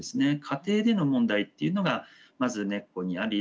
家庭での問題っていうのがまず根っこにあり